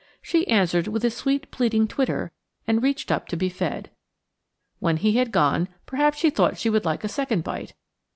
She answered with a sweet pleading twitter, and reached up to be fed. When he had gone, perhaps she thought she would like a second bite.